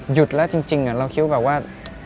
หยุดแล้วจริงเราคิดแบบว่า